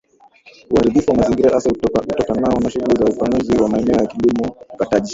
Uharibifu wa mazingira hasa utokanao na shughuli za upanuzi wa maeneo ya kilimo ukataji